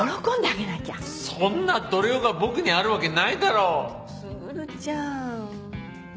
そんな度量が僕にあるわけないだろ！卓ちゃん。